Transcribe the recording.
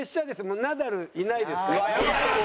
もうナダルいないですから。